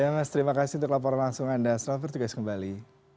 ya mas terima kasih untuk laporan langsung anda selamat bertugas kembali